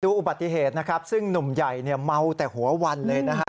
อุบัติเหตุนะครับซึ่งหนุ่มใหญ่เนี่ยเมาแต่หัววันเลยนะฮะ